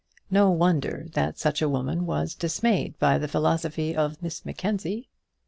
No wonder that such a woman was dismayed by the philosophy of Miss Mackenzie.